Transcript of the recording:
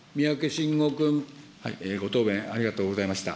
ご答弁ありがとうございました。